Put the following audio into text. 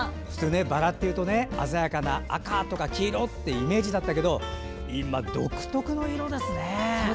バラっていうと鮮やかな赤とか黄色っていうイメージだったけど今、独特の色ですね。